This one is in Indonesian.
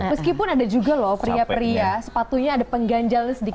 meskipun ada juga loh pria pria sepatunya ada pengganjalnya sedikit